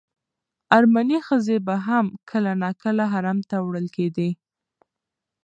ارمني ښځې به هم کله ناکله حرم ته وړل کېدې.